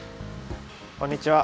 こんにちは。